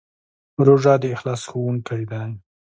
روژه د اخلاص ښوونکی دی.